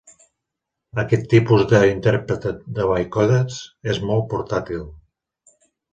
Aquest tipus de "intèrpret de bytecodes" és molt portàtil.